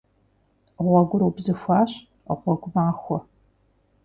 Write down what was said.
Гъуэгур убзыхуащ. Гъуэгу махуэ!